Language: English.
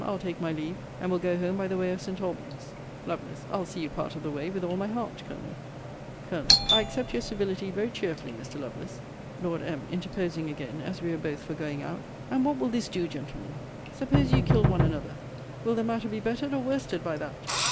I'll take my leave, and will go home by the way of St. Alban's. Lovel. I'll see you part of the way, with all my heart, Colonel. Col. I accept your civility very cheerfully, Mr. Lovelace. Lord M. (interposing again, as we were both for going out,) And what will this do, gentlemen? Suppose you kill one another, will the matter be bettered or worsted by that?